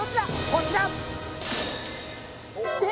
こちらえ！